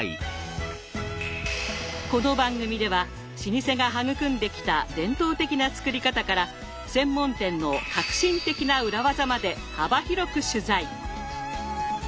この番組では老舗が育んできた伝統的な作り方から専門店の革新的な裏技まで幅広く取材。